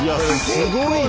すごいね！